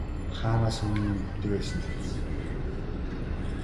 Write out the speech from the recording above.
Хаанаас өмнө мэддэг л байсан биз.